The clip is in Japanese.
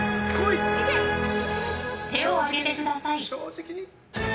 手を上げてください。